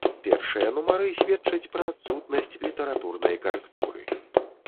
Першыя нумары сведчаць пра адсутнасць літаратурнай карэктуры.